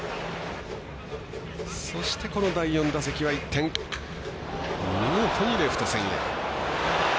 そして、第４打席は一転見事にレフト線へ。